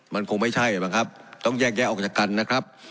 มันคงไม่ใช่บ้างครับต้องแยกแยะออกจากกันนะครับ